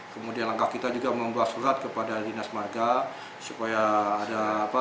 kemudian langkah kita juga membuat surat kepada dinas marga supaya ada apa